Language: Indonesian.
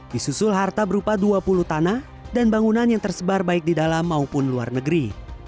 disusul harta berupa dua puluh tanah dan bangunan yang tersebar baik di dalam maupun luar negeri